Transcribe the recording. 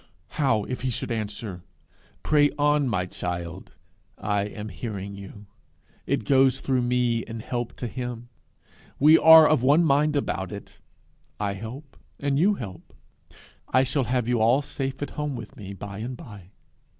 How if he should answer, 'Pray on, my child; I am hearing you; it goes through me in help to him. We are of one mind about it; I help and you help. I shall have you all safe home with me by and by!